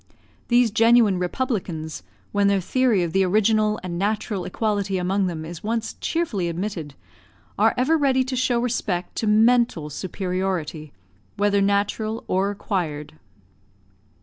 These genuine Republicans, when their theory of the original and natural equality among them is once cheerfully admitted, are ever ready to show respect to mental superiority, whether natural or acquired.